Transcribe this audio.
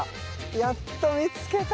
やっと見つけた！